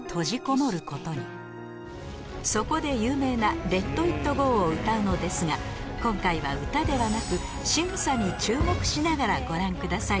そこで有名な『ＬｅｔＩｔＧｏ』を歌うのですが今回は歌ではなくしながらご覧ください